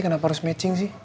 kenapa harus matching